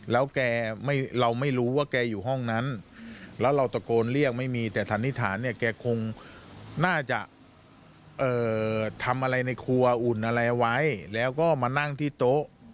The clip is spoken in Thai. แล้วแกเราไม่รู้ว่าแกอยู่ห้องนั้นแล้วเราตะโกนเรียกไม่มีแต่สันนิษฐานเนี่ยแกคงน่าจะทำอะไรในครัวอุ่นอะไรเอาไว้แล้วก็มานั่งที่โต๊ะ